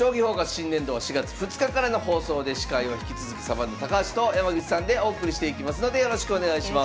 新年度は４月２日からの放送で司会は引き続きサバンナ高橋と山口さんでお送りしていきますのでよろしくお願いします。